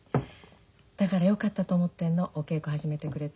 だからよかったと思ってんのお稽古始めてくれて。